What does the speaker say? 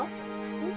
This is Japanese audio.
うん？